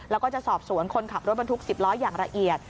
แล้วก็จะสอบสวนคนขับรถบรรทุก๑๐ล้ออย่างละเอียด